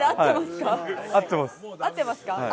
合ってますか？